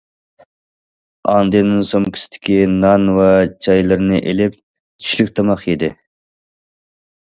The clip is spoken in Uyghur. ئاندىن سومكىسىدىكى نان ۋە چايلىرىنى ئېلىپ‹‹ چۈشلۈك تاماق›› يېدى.